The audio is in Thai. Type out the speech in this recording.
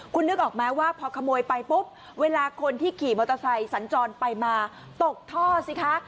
คุณนึกออกไหมว่าพอขโมยไปปุ๊บเวลาคนที่ขี่มอเตอร์ไซค์สัญจรไปมาตกท่อสิคะ